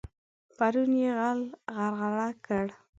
پرون يې غل غرغړه کړ.